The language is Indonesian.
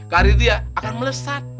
kali itu dia akan melesat